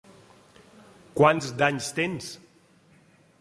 Quants d'anys tens?